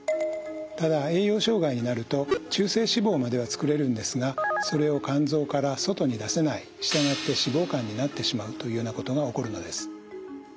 ただ栄養障害になると中性脂肪までは作れるんですがそれを肝臓から外に出せない従って脂肪肝になってしまうというようなことが起こるのです。